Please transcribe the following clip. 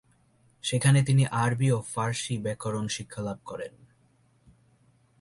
সেখানে তিনি আরবি ও ফারসি ব্যাকরণ শিক্ষালাভ করেন।